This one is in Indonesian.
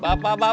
mak gak mak